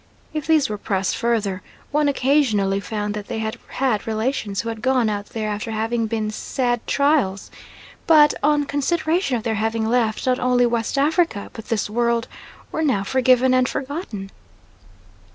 If these were pressed further, one occasionally found that they had had relations who had gone out there after having been "sad trials," but, on consideration of their having left not only West Africa, but this world, were now forgiven and forgotten.